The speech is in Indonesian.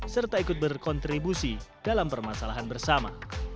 serta ikut berkontribusi dalam permasalahan bersama